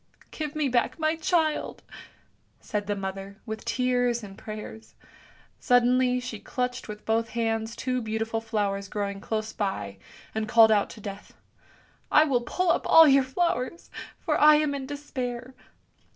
"" Give me back my child! " said the mother, with tears and prayers; suddenly she clutched with both hands two beautiful flowers growing close by, and called out to Death, " I will pull up all your flowers, for I am in despair!